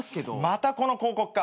またこの広告か。